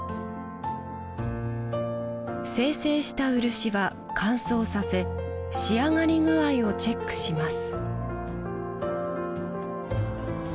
精製した漆は乾燥させ仕上がり具合をチェックします